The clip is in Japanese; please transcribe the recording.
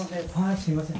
すみません。